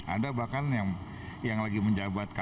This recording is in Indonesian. ada bahkan yang lagi menjabat